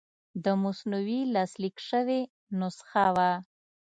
د مثنوي لاسلیک شوې نسخه وه.